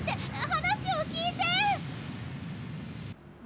話を聞いて！